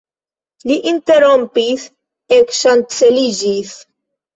Li interrompis, ekŝanceliĝis.